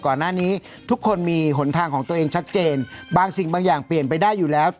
ก่อนหน้านี้ทุกคนมีหนทางของตัวเองชัดเจนบางสิ่งบางอย่างเปลี่ยนไปได้อยู่แล้ว